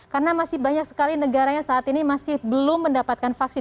karena masih banyak sekali negaranya saat ini yang memilih vaksin